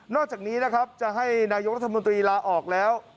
อกจากนี้นะครับจะให้นายกรัฐมนตรีลาออกแล้ว